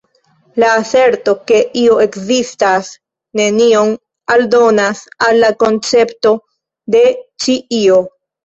La aserto, ke io ekzistas nenion aldonas al la koncepto de ĉi io.